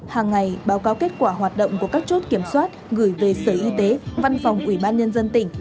hàng ngày báo cáo kết quả hoạt động của các chốt kiểm soát gửi về sở y tế văn phòng ubnd tỉnh